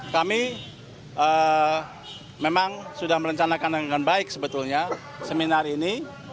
kami memang sudah merencanakan dengan baik sebetulnya seminar ini